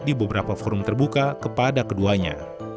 di beberapa forum terbuka kepada keduanya